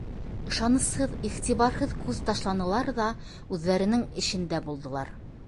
Ышанысһыҙ, иғтибарһыҙ күҙ ташланылар ҙа үҙҙәренең эшендә булдылар.